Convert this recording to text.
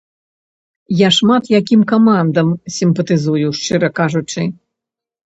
Я шмат якім камандам сімпатызую, шчыра кажучы.